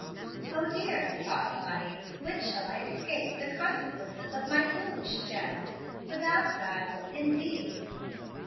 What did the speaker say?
"O dear!" thought Lottie, "when shall I escape the consequences of my foolish jest? 'Without guile,' indeed!"